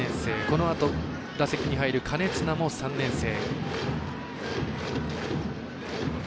このあと打席に入る金綱も３年生。